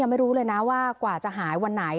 ไม่รู้เลยนะว่ากว่าจะหายวันไหน